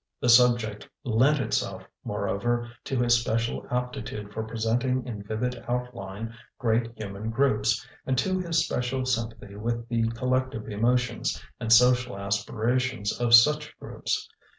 The subject lent itself, moreover, to his special aptitude for presenting in vivid outline great human groups, and to his special sympathy with the collective emotions and social aspirations of such groups.